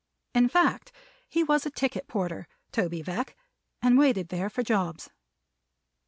In fact he was a ticket porter, Toby Veck, and waited there for jobs.